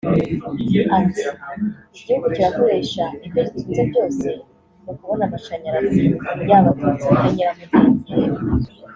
Ati “Igihugu kirakoresha ibyo gitunze byose mu kubona amashanyarazi yaba aturutse muri nyiramugengeri